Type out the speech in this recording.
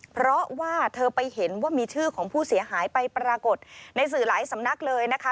เพราะว่าเธอไปเห็นว่ามีชื่อของผู้เสียหายไปปรากฏในสื่อหลายสำนักเลยนะคะ